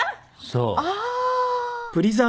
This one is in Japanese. そう。